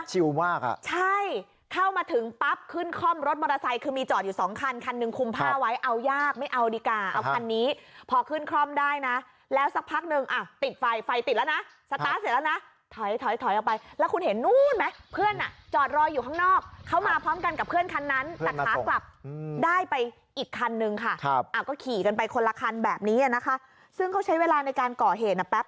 ชิวมากค่ะใช่เข้ามาถึงปั๊บขึ้นคล่อมรถมอเตอร์ไซค์คือมีจอดอยู่สองคันคันหนึ่งคุมผ้าไว้เอายากไม่เอาดิก่าเอาคันนี้พอขึ้นคล่อมได้นะแล้วสักพักหนึ่งอ่ะติดไฟไฟติดแล้วนะสตาร์ทเสร็จแล้วนะถอยถอยถอยออกไปแล้วคุณเห็นนู้นไหมเพื่อนอ่ะจอดรอยอยู่ข้างนอกเข้ามาพร้อมกันกับเพื่อนคันนั้นแต่ขาดกลับ